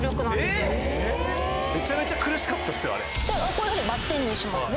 こういうふうにバッテンにしますね。